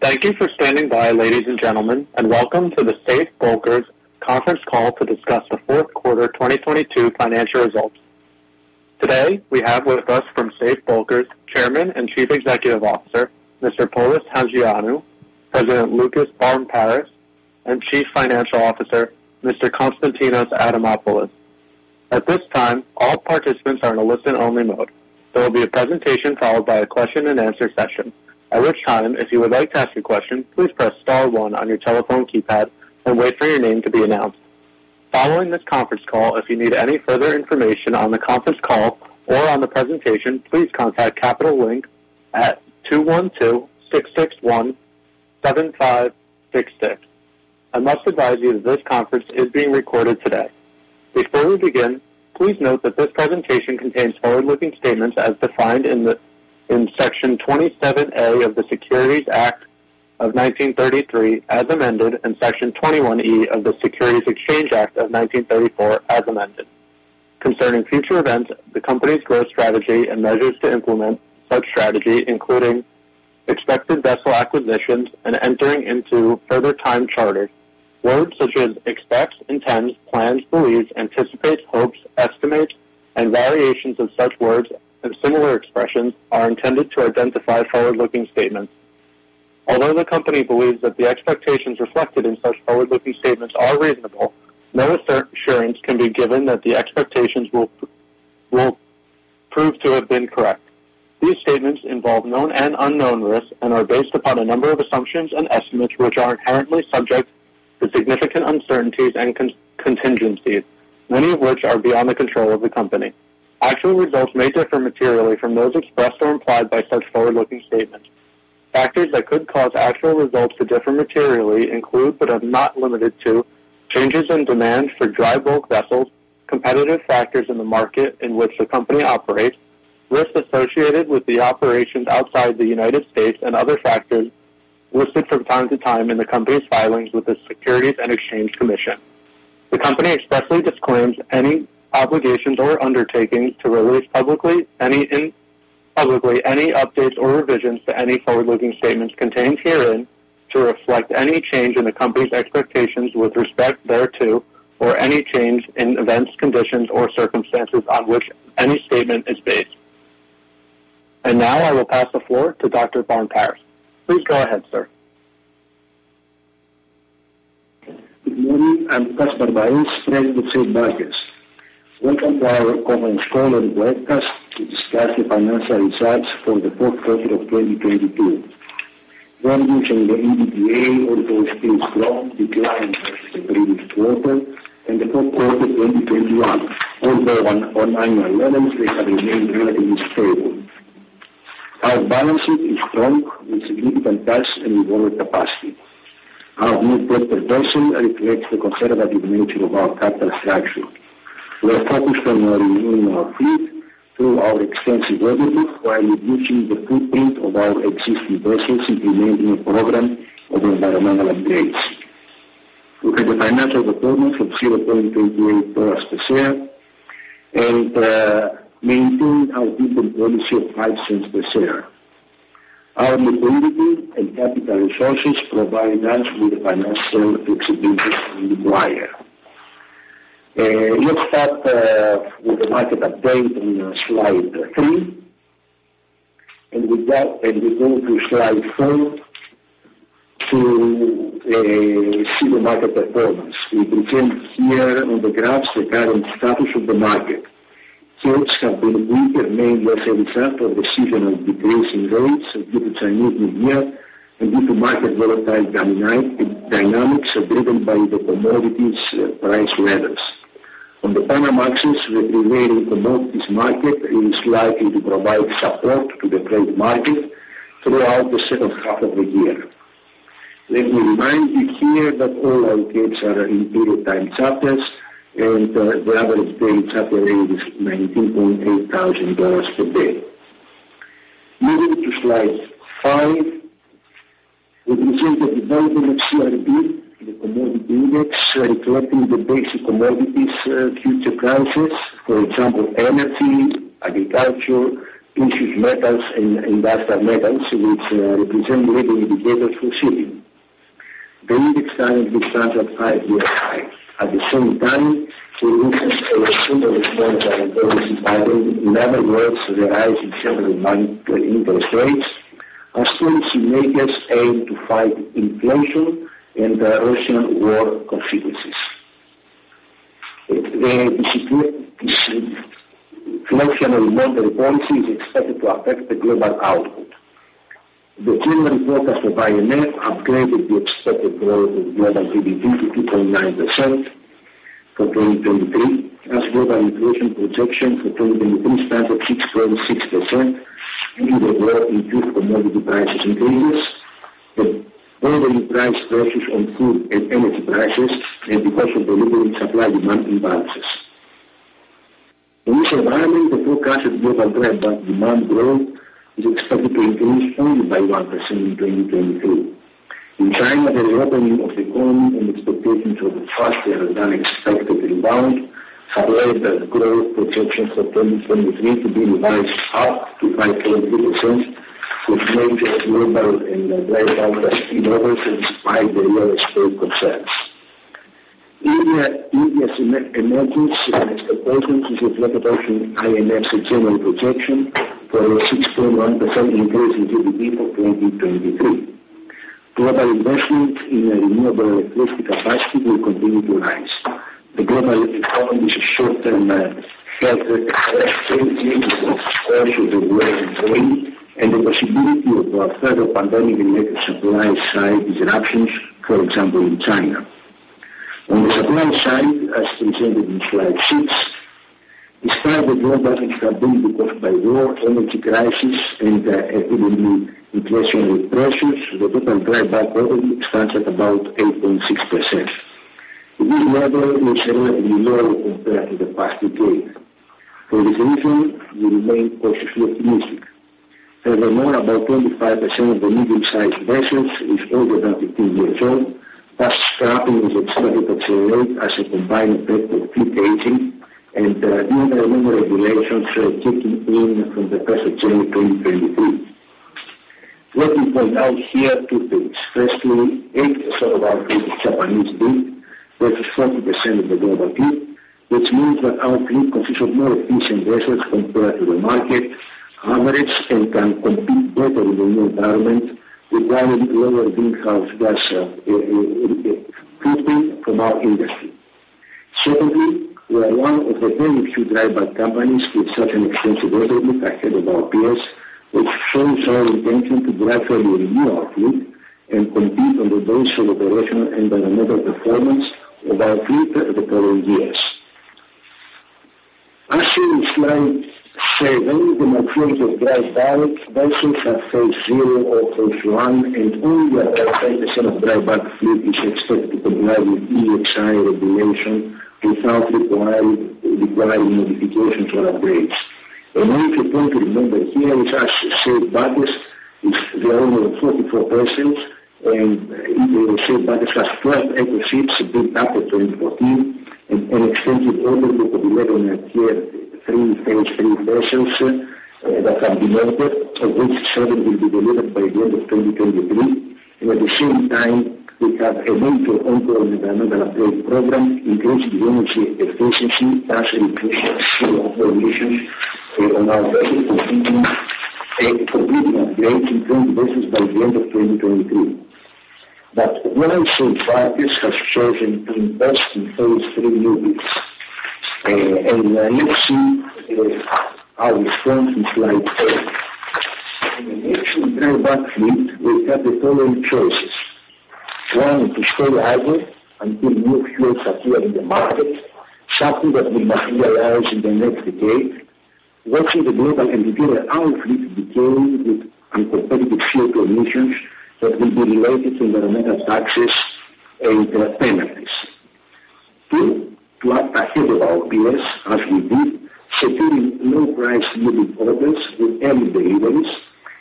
Thank you for standing by, ladies and gentlemen, and welcome to the Safe Bulkers Conference Call to discuss the Fourth Quarter 2022 Financial Results. Today, we have with us from Safe Bulkers, Chairman and Chief Executive Officer, Mr. Polys Hajioannou, President Loukas Barmparis and Chief Financial Officer, Mr. Konstantinos Adamopoulos. At this time, all participants are in a listen-only mode. There will be a presentation followed by a question and answer session. At which time, if you would like to ask a question, please press star one on your telephone keypad and wait for your name to be announced. Following this conference call, if you need any further information on the conference call or on the presentation, please contact Capital Link at 212-661-7566. I must advise you that this conference is being recorded today. Before we begin, please note that this presentation contains forward-looking statements as defined in Section 27A of the Securities Act of 1933 as amended, and Section 21E of the Securities Exchange Act of 1934 as amended. Concerning future events, the company's growth strategy and measures to implement such strategy, including expected vessel acquisitions and entering into further time charter. Words such as expects, intends, plans, believes, anticipates, hopes, estimates, and variations of such words and similar expressions are intended to identify forward-looking statements. Although the company believes that the expectations reflected in such forward-looking statements are reasonable, no assurance can be given that the expectations will prove to have been correct. These statements involve known and unknown risks and are based upon a number of assumptions and estimates, which are inherently subject to significant uncertainties and contingencies, many of which are beyond the control of the company. Actual results may differ materially from those expressed or implied by such forward-looking statements. Factors that could cause actual results to differ materially include, but are not limited to, changes in demand for dry bulk vessels, competitive factors in the market in which the company operates, risks associated with the operations outside the United States and other factors listed from time to time in the company's filings with the Securities and Exchange Commission. The company expressly disclaims any obligations or undertakings to release publicly any updates or revisions to any forward-looking statements contained herein to reflect any change in the company's expectations with respect thereto or any change in events, conditions, or circumstances on which any statement is based. Now, I will pass the floor to Dr. Loukas Barmparis. Please go ahead, sir. Good morning. I'm Loukas Barmparis, President of Safe Bulkers. Welcome to our Conference Call and Webcast to discuss the Financial Results for the Fourth Quarter of 2022. Revenues the EBITDA although still strong declined versus the previous quarter and the fourth quarter 2021 although on annual levels they have remained relatively stable. Our balance sheet is strong with significant cash and borrowed capacity. Our net debt per vessel reflects the conservative nature of our capital structure. We are focused on renewing our fleet through our extensive order book while reducing the footprint of our existing vessels implementing a program of environmental upgrades. We had a financial performance of $0.38 per share and maintained our dividend policy of $0.05 per share. Our liquidity and capital resources provide us with the financial flexibility we require. Let's start with the market update on slide 3. With that. We go to slide 4 to see the market performance. We present here on the graphs the current status of the market. Charters have been weaker, mainly as a result of the seasonal decrease in rates due to Chinese New Year and due to market volatile dynamics driven by the commodities price levels. On the Panamaxes, we remain in a modest market and is likely to provide support to the freight market throughout the second half of the year. Let me remind you here that all our rates are in period time charters and the average daily charter rate is $19.8 thousand per day. Moving to slide 5, we present the development of CRB, the commodity index, reflecting the basic commodities, future prices, for example, energy, agriculture, basic metals and vaster metals, which represent leading indicators for shipping. The index currently stands at five-year high. At the same time, solutions are assumed as one of the policy by the leading level growth, the rise in several in those rates are still to make us aim to fight inflation and the Russian war consequences. The inflationary monetary policy is expected to affect the global output. The team forecast of IMF upgraded the expected growth of global GDP to 2.9% for 2023 as global inflation projection for 2023 stands at 6.6%, meaning the growth in two commodity prices increases. The only price pressures on food and energy prices and because of the little supply demand imbalances. In this environment, the forecasted global demand growth is expected to increase only by 1% in 2023. In China, the reopening of the economy and expectations of a faster than expected rebound have led the growth projections for 2023 to be revised up to 5.2%, which makes global and less. Let me point out here two things. Firstly, 80% of our fleet is Japanese-built, that is 40% of the global fleet, which means that our fleet consists of more efficient vessels compared to the market average and can compete better in the new environment requiring lower greenhouse gas footprint from our industry. Secondly, we are one of the very few dry bulk companies with such an extensive order book ahead of our peers, which shows our intention to gradually renew our fleet and compete on the basis of operational and fundamental performance of our fleet in the coming years. As shown in slide 7, the majority of dry bulk vessels are Phase zero or Phase I, and only about 5% of dry bulk fleet is expected to comply with EEXI regulation without requiring modifications or upgrades. An important point to remember here is as shipowners is the owner of 44 vessels, shipowners have 12 eco ships built after 2014 and extended orders of 11 Tier 3 Phase III vessels that have been ordered, of which seven will be delivered by the end of 2023. At the same time, we have entered on board with another upgrade program, increasing energy efficiency as an increase of zero emissions on our vessel position equivalent to 18-20 vessels by the end of 2022. Well, shipowners have chosen to invest in Phase III newbuilds. Let's see how we stand with slide 8. In the existing dry bulk fleet, we have the following choices. One, to stay idle until new fuels appear in the market, something that will materialize in the next decade. Watching the global and compare our fleet becoming with uncompetitive CO₂ emissions that will be related to environmental taxes and penalties. Two, to act ahead of our peers as we did, securing low price newbuild orders with early deliveries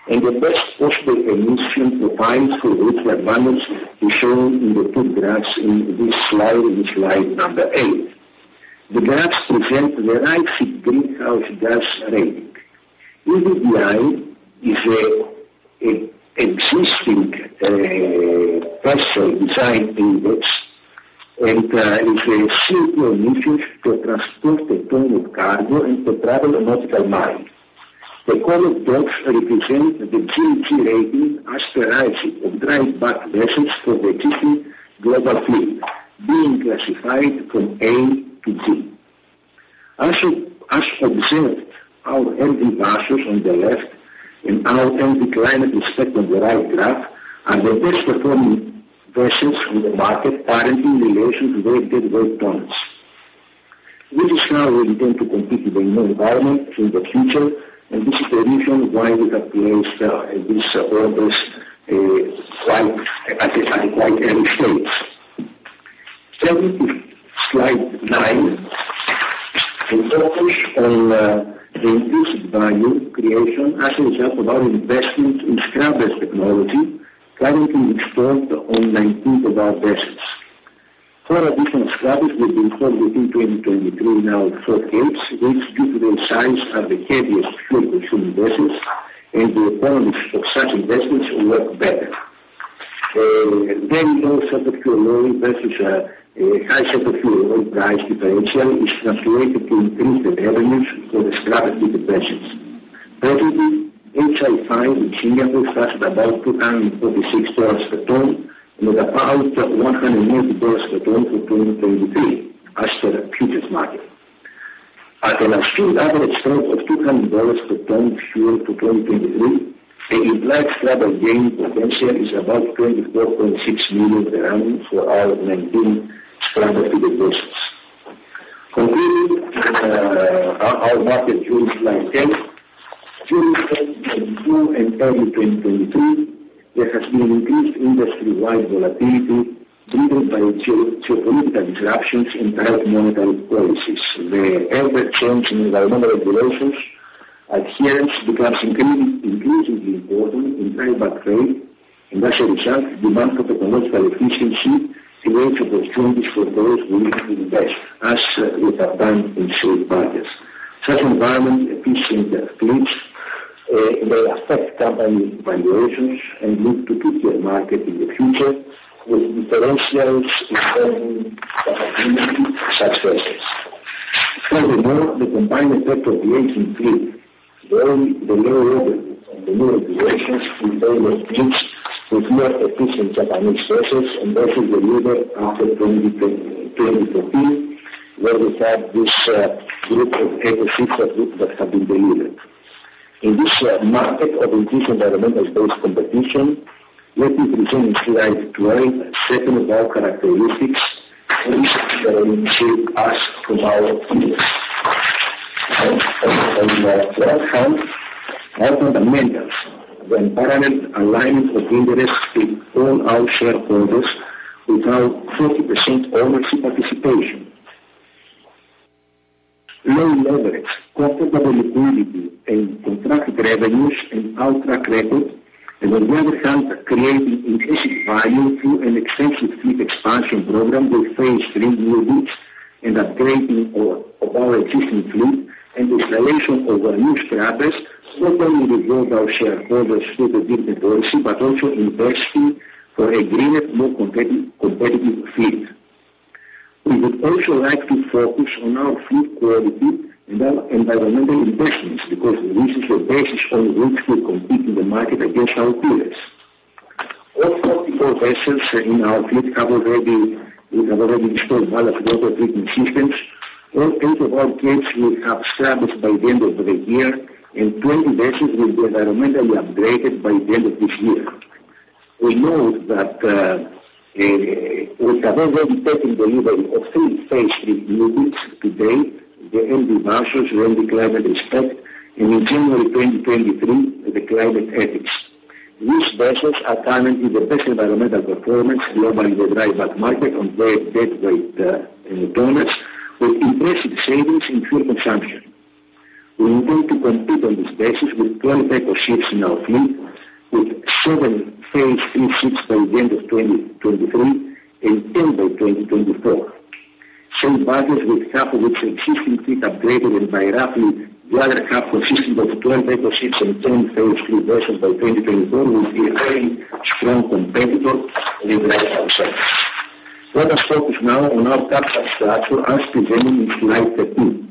and the best possible emission profiles, for which the advantage is shown in the two graphs in this slide, in slide number 8. The graphs present the rising greenhouse gas rating. The blue line is existing vessel design index and is a CO₂ emission per transported ton of cargo and per travel nautical mile. The colored dots represent the GG rating as derived of dry bulk vessels for the existing global fleet being classified from A to G. As you observe, our MV vessels on the left and our MV Climate Respect on the right graph are the best performing vessels in the market currently in relation to their deadweight tons. This is how we intend to compete in the new environment in the future, and this is the reason why we have placed these orders at a quite early stage. Turning to slide 9, we focus on the increased value creation as a result of our investment in Scrubbers technology currently installed on 19 of our vessels. Four additional Scrubbers will be installed within 2023 in our four capes, which due to their size, are the heaviest fuel consuming vessels and the economics of such investments work better. There is also the fuel oil versus high sulfur fuel oil price differential, which translated to increased revenues for the Scrubber-fitted vessels. Presently, HSFO in Singapore starts at about $246 per ton, with a peak of $180 per ton for 2023 as per futures market. At an assumed average tone of $200 per ton fuel for 2023, the implied scrubber gain potential is about $24.6 million revenue for our 19 scrubber-fitted vessels. Concluding our update during slide 10, during 2022 and early 2023, there has been increased industry-wide volatility driven by geopolitical disruptions and tight monetary policies. The ever-changing environmental regulations Adherence becomes increasingly important in dry bulk trade and as a result, demand for technological efficiency creates opportunities for those willing to invest as we have done in Safe Bulkers. Such environment efficient fleets may affect company valuations and look to put their mark in the future with differentials in favor of owning such vessels. Furthermore, the combined effect of the aging fleet during the lower levels and the lower durations in older fleets require efficient Japanese vessels. This is delivered after 2013, where we had this fleet of eco ships that have been delivered. In this market of increased environmental based competition, let me present in slide 12 a set of our characteristics which we believe will shape us from our peers. On the one hand, our fundamentals, the inherent alignment of interests with all our shareholders with our 40% ownership participation. Low leverage, comfortable liquidity and contracted revenues and our track record. On the other hand, creating intrinsic value through an extensive fleet expansion program with Phase III newbuilds and upgrading our existing fleet and installation of our new Scrubbers not only rewards our shareholders through the dividend policy, but also investing for a greener, more competitive fleet. We would also like to focus on our fleet quality and our environmental investments because this is the basis on which we compete in the market against our peers. All 44 vessels in our fleet have already installed ballast water treatment systems or 8 of our ships will have Scrubbers by the end of the year and 20 vessels will be environmentally upgraded by the end of this year. We note that we have already taken delivery of three Phase III newbuilds to date, the MV Vassos, the MV Climate Respect and in January 2023, the Climate Ethics. These vessels are currently the best environmental performance globally in the dry bulk market on their deadweight tonnages with impressive savings in fuel consumption. We intend to compete on this basis with 12 eco ships in our fleet, with seven Phase III ships by the end of 2023 and 10 by 2024. Safe Bulkers with half of its existing fleet upgraded and by roughly the other half consisting of 12 eco ships and 10 Phase III vessels by 2024 will be a very strong competitor in the dry bulk sector. Let us focus now on our capital structure as presented in slide 13.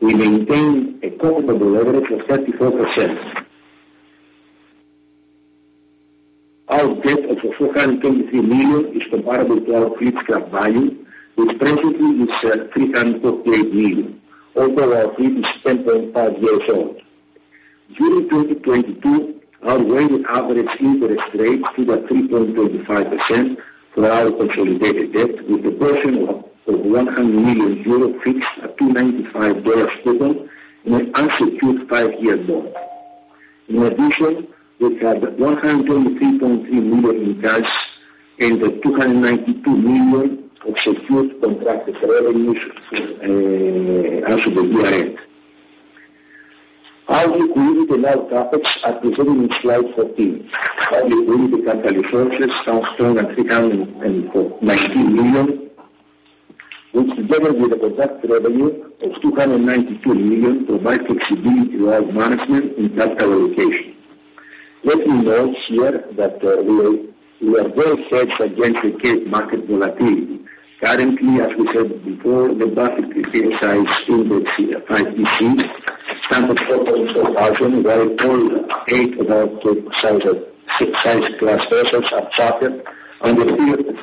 We maintain a comfortable leverage of 34%. Our debt of $423 million is comparable to our fleet's carrying value, which presently is $348 million, although our fleet is 10.5 years old. During 2022, our weighted average interest rates stood at 3.25% for our consolidated debt, with a portion of EUR 100 million fixed at 295 basis points in an unsecured five-year bond. We have $123.3 million in cash and $292 million of secured contracted revenues as of the year-end. Our liquidity and our CapEx are presented in slide 14. Our liquidity, capital resources stands strong at $349 million, which together with the contracted revenue of $292 million provides flexibility to our management in capital allocation. Let me note here that we are well hedged against acute market volatility. Currently, as we said before, the Baltic Dry Index, BDI, stands at 4,400, while only eight of our six size class vessels are chartered under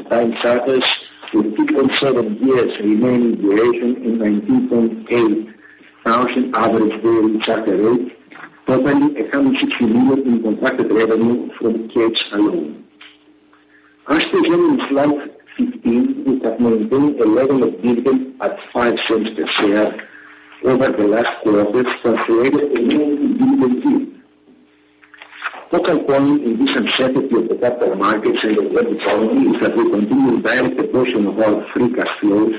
time charters with 2.7 years remaining duration and $19,800 average daily charter rate, totaling $160 million in contracted revenue from charters alone. As presented in slide 15, we have maintained a level of dividend at $0.05 per share over the last four years translated annually in fifty. Focal point in this uncertainty of the capital markets and of web economy is that we continue a large portion of our free cash flows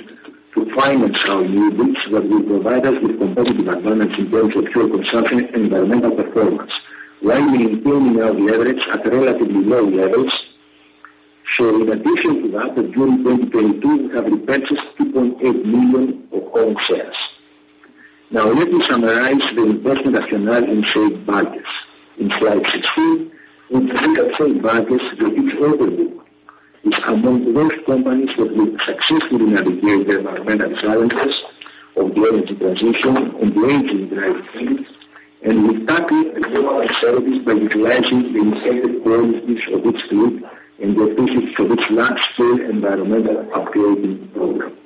to finance our newbuilds that will provide us with competitive advantage in terms of fuel consumption and environmental performance, while maintaining our leverage at relatively low levels. In addition to that, during 2022, we have repurchased $2.8 million of own shares. Let me summarize the investment rationale in Safe Bulkers. In slide 16, we see that Safe Bulkers with its order book is among those companies that will successfully navigate the environmental challenges of the energy transition and the aging dry fleet and will tackle lower revenues by utilizing the inherent qualities of its fleet and the benefits of its large-scale environmental upgrading program.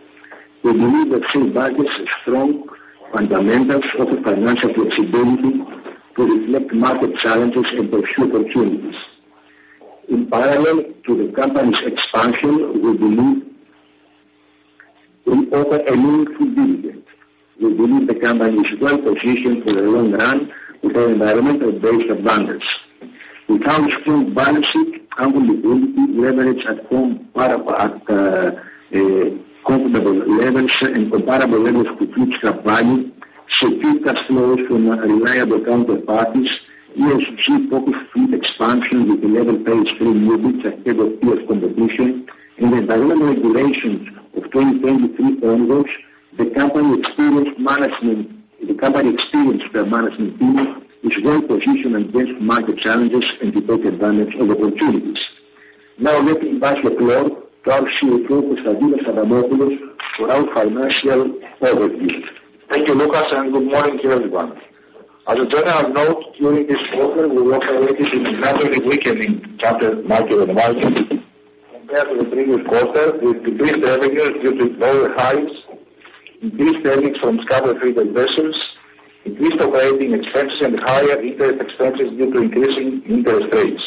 We believe that Safe Bulkers has strong fundamentals of financial flexibility to reflect market challenges and pursue opportunities. In parallel to the company's expansion, we believe in offer an meaningful dividend. We believe the company is well positioned for the long run with environmental-based advantage. We have a strong balance sheet and liquidity leverage at comparable levels and comparable levels to fleet's value, secure cash flow from reliable counterparties, ESG focused fleet expansion with 11 paid-stream newbuilds ahead of peers competition and the dynamic regulations of 2023 onwards, the company experienced management team is well-positioned against market challenges and to take advantage of opportunities. Now letting back the floor to our CFO, Konstantinos Adamopoulos, for our financial overview. Thank you, Loukas, and good morning to everyone. As a general note, during this quarter, we operate in significantly weakening charter market environment compared to the previous quarter, with decreased revenues due to lower highs, decreased earnings from Scrubber fleet investments, increased operating expenses and higher interest expenses due to increasing interest rates.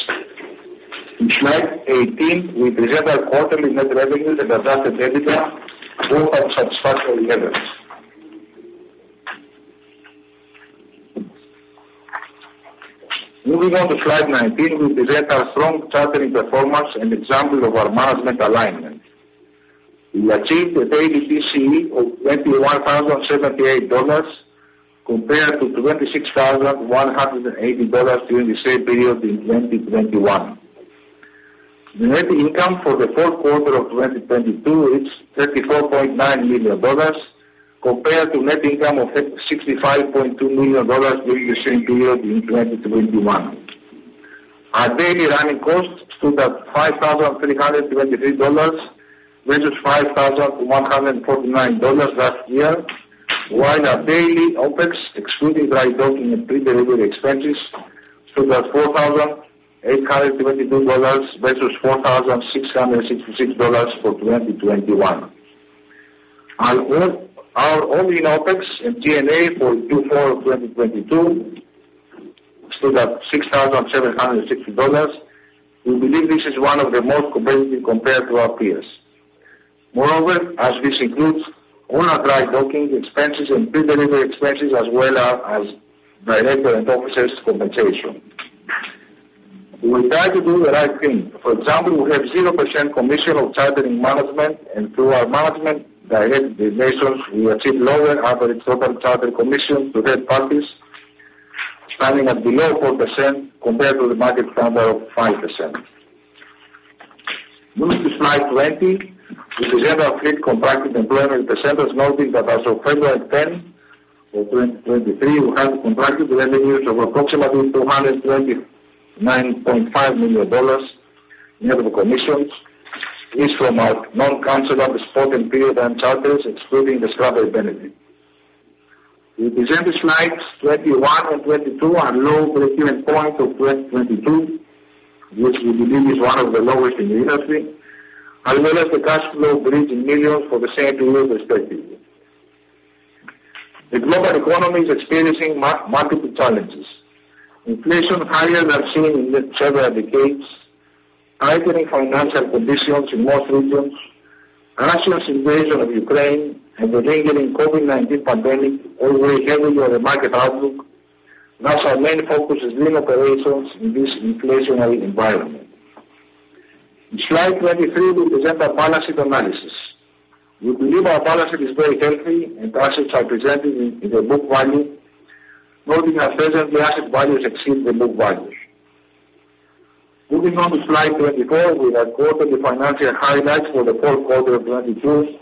In slide 18, we present our quarterly net revenues and adjusted EBITDA, both at satisfactory levels. Moving on to slide 19, we present our strong chartering performance and example of our management alignment. We achieved a daily TCE of $21,078 compared to $26,180 during the same period in 2021. Net income for the fourth quarter of 2022 is $34.9 million compared to net income of $65.2 million during the same period in 2021. Our daily running costs stood at $5,323 versus $5,149 last year. While our daily OpEx, excluding drydock and pre-delivery expenses, stood at $4,822 versus $4,666 for 2021. Our owning OpEx and G&A for Q4 of 2022 stood at $6,760. We believe this is one of the most competitive compared to our peers. Moreover, as this includes all our dry docking expenses and pre-delivery expenses, as well as director and officers compensation. We try to do the right thing. For example, we have zero percent commission of chartering management, and through our management direct relations, we achieve lower average total charter commission to third parties, standing at below 4% compared to the market standard of 5%. Moving to slide 20, we present our fleet contracted employment percentage, noting that as of February 10 of 2023, we have contracted revenues of approximately $229.5 million net of commission. This from our non-cancelable spot and period time charters, excluding the Scrubbers benefit. We present the slides 21 and 22, our low breaking point of 2022, which we believe is one of the lowest in the industry, as well as the cash flow break-even million for the same period respectively. The global economy is experiencing multiple challenges. Inflation higher than seen in several decades, tightening financial conditions in most regions, Russia's invasion of Ukraine and the lingering COVID-19 pandemic all weigh heavily on the market outlook. Our main focus is lean operations in this inflationary environment. In slide 23, we present our balance sheet analysis. We believe our balance sheet is very healthy and assets are presented in the book value, noting our vessel asset values exceed the book value. Moving on to slide 24, we record the financial highlights for the fourth quarter of 2022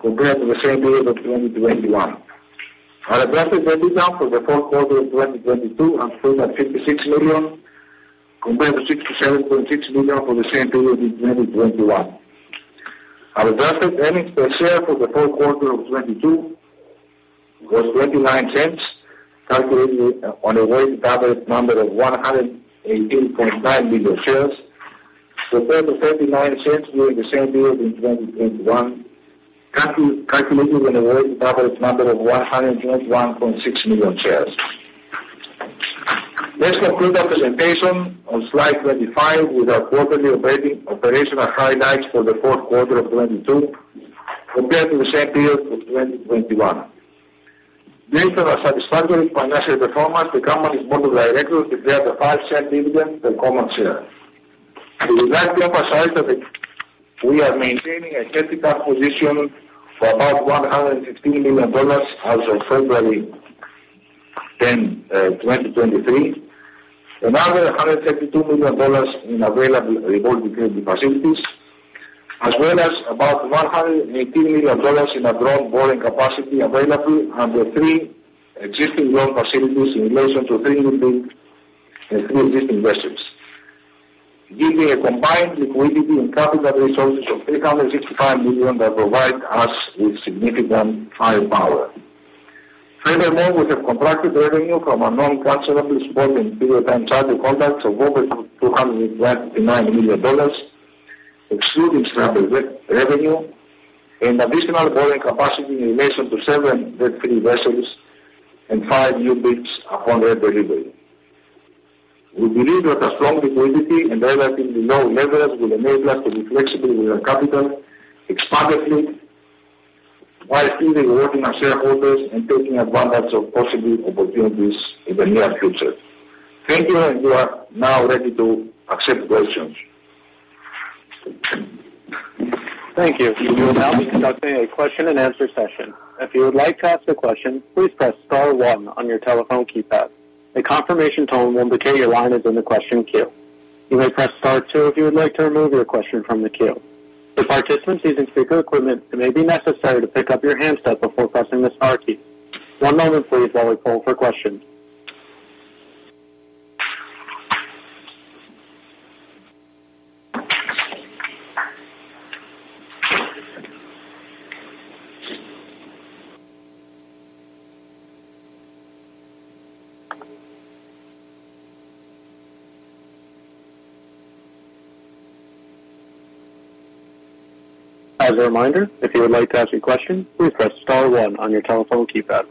compared to the same period of 2021. Our adjusted EBITDA for the fourth quarter of 2022 are stood at $56 million, compared to $67.6 million for the same period in 2021. Our adjusted earnings per share for the fourth quarter of 2022 was $0.29, calculated on a weighted average number of 118.9 million shares, compared to $0.39 during the same period in 2021, calculated on a weighted average number of 121.6 million shares. Let's conclude our presentation on slide 25 with our quarterly operational highlights for the fourth quarter of 2022 compared to the same period for 2021. Based on our satisfactory financial performance, the company's board of directors declared a $0.05 dividend per common share. We would like to emphasize that we are maintaining a healthy cash position for about $115 million as of February 10, 2023. Another $132 million in available revolving credit facilities, as well as about $118 million in undrawn borrowing capacity available under three existing loan facilities in relation to three newbuild and three existing vessels, giving a combined liquidity and capital resources of $365 million that provide us with significant firepower. Furthermore, we have contracted revenue from our non-cancelable spot and period time charter contracts of over $229 million, excluding Scrubber re-revenue and additional borrowing capacity in relation to seven debt-free vessels and five newbuilds upon their delivery. We believe that our strong liquidity and relatively low leverage will enable us to be flexible with our capital, expand the fleet- While still rewarding our shareholders and taking advantage of possible opportunities in the near future. Thank you. We are now ready to accept questions. Thank you. We will now be conducting a question and answer session. If you would like to ask a question, please press star one on your telephone keypad. A confirmation tone will indicate your line is in the question queue. You may press star two if you would like to remove your question from the queue. For participants using speaker equipment, it may be necessary to pick up your handset before pressing the star key. One moment please while we poll for questions. As a reminder, if you would like to ask a question, please press star one on your telephone keypad.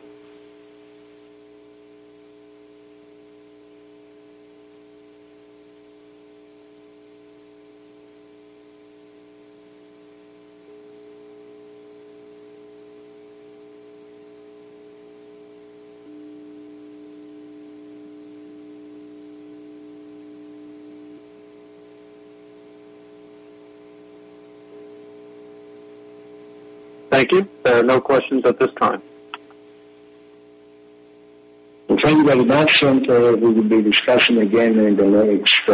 Thank you. There are no questions at this time. Thank you very much. We will be discussing again in the next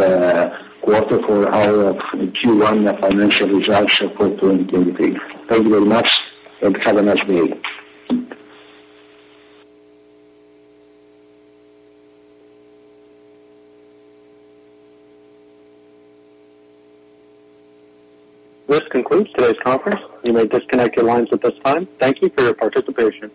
quarter for our Q1 financial results for 2023. Thank you very much. Have a nice day. This concludes today's conference. You may disconnect your lines at this time. Thank you for your participation.